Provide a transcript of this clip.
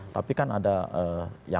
tapi kan ada yang